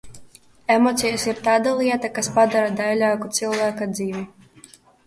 Emocijas ir tāda lieta, kas padara daiļāku cilvēka dzīvi.